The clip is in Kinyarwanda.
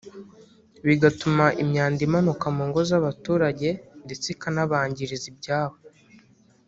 bigatuma imyanda imanuka mu ngo z’abaturage ndetse akanabangiriza ibyabo